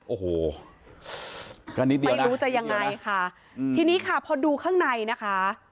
โอ้โหก็นิดเดียวไม่รู้จะยังไงค่ะอืมทีนี้ค่ะพอดูข้างในนะคะ